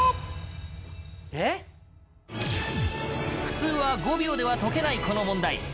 普通は５秒では解けないこの問題。